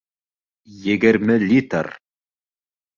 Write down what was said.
Егерме литр!